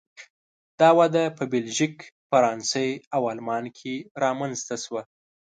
دا وده په بلژیک، فرانسې او آلمان کې رامنځته شوه.